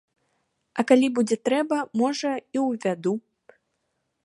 Але калі будзе трэба, можа, і ўвяду.